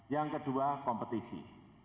yang kedua kompetisi